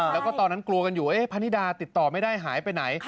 แล้วก็ตอนนั้นกลัวกันอยู่พนิดาติดต่อไม่ได้หายไปไหน